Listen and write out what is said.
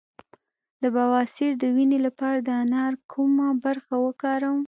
د بواسیر د وینې لپاره د انار کومه برخه وکاروم؟